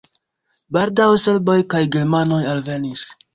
Baldaŭe serboj kaj germanoj alvenis.